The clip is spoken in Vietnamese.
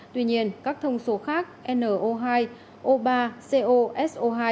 tuy nhiên các thông số khác no hai o ba co so hai